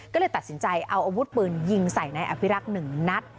ก็เลยตัดสินใจเอาอาวุธปืนยิงใส่นายอภิรักษ์๑นัด